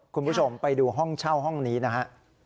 คุณผู้ชมไปดูห้องเช่าห้องนี้นะฮะ